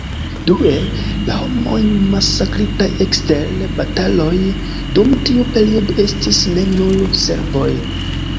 Due, la homoj masakritaj ekster bataloj dum tiu periodo estis ne nur serboj.